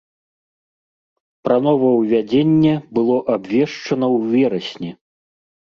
Пра новаўвядзенне было абвешчана ў верасні.